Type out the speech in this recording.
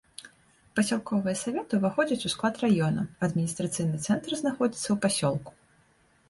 Пасялковыя саветы ўваходзяць у склад раёнаў, адміністрацыйны цэнтр знаходзіцца ў пасёлку.